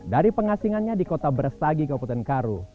dari pengasingannya di kota brastagi kabupaten karo